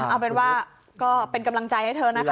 เอาเป็นว่าก็เป็นกำลังใจให้เธอนะคะ